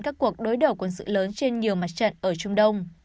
các cuộc đối đầu quân sự lớn trên nhiều mặt trận ở trung đông